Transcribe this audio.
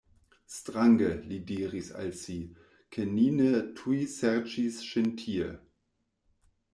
Strange, li diris al si, ke ni ne tuj serĉis ŝin tie.